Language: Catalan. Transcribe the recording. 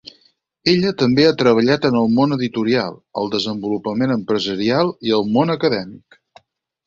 Ella també ha treballat en el món editorial, el desenvolupament empresarial i el món acadèmic.